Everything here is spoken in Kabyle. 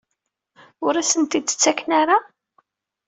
Ur asent-t-id-ttaken ara?